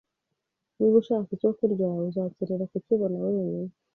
Niba ushaka icyo kurya, uzakenera kukibona wenyine.